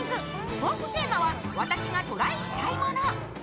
トークテーマは私がトライしたいもの。